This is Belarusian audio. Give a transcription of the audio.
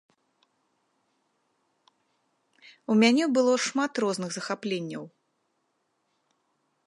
У мяне было шмат розных захапленняў.